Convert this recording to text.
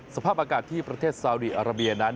สภาพอากาศที่ประเทศซาวดีอาราเบียนั้น